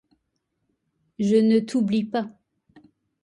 Je ne t'oublie pas.